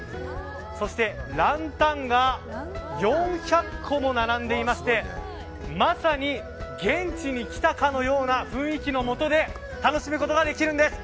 そして、ランタンが４００個も並んでいましてまさに現地に来たかのような雰囲気のもとで楽しむことができるんです。